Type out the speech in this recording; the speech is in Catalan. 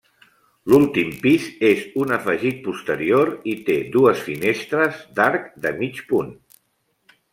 L'últim pis és un afegit posterior i té dues finestres d'arc de mig punt.